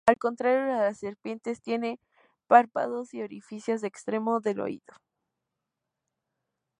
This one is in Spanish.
Al contrario de las serpientes, tienen párpados y orificio externo del oído.